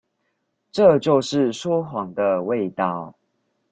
這是說謊的味道